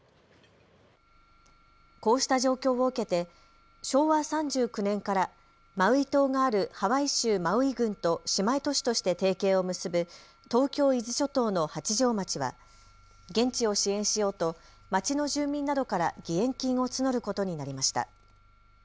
こうした状況を受けて昭和３９年からマウイ島があるハワイ州マウイ郡と姉妹都市として提携を結ぶ東京伊豆諸島の八丈町は現地を支援しようと町の住民などから義援金を募ることになりました。